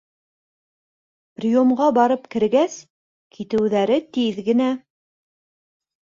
Приемға барып кергәс, китеүҙәре тиҙ генә.